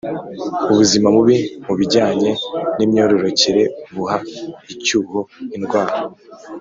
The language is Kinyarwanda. Ubuzima bubi mu bijyanye n’imyororokere buha icyuho indwara,